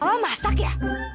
papa masak ya